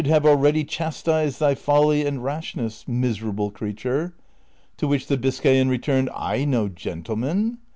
have already chastised thy folly and rashness, miserable crea ture." To which the Biscayan returned, " I no gentleman